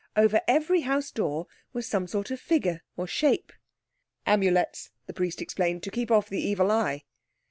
Over every house door was some sort of figure or shape. "Amulets," the priest explained, "to keep off the evil eye."